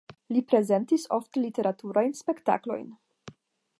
Li prezentis ofte literaturajn spektaklojn.